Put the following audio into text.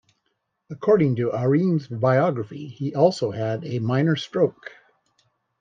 According to Aherne's biography, he also had a minor stroke.